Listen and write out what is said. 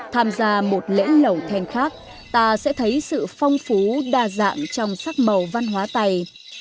tham gia một lễ lẩu then khác ta sẽ thấy sự phong phú đa dạng trong sắc màu văn hóa tày